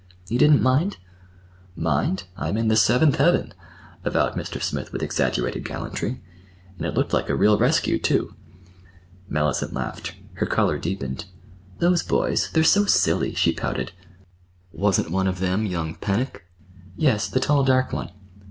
"You didn't mind?" "Mind? I'm in the seventh heaven!" avowed Mr. Smith with exaggerated gallantry. "And it looked like a real rescue, too." Mellicent laughed. Her color deepened. "Those boys—they're so silly!" she pouted. "Wasn't one of them young Pennock?" "Yes, the tall, dark one."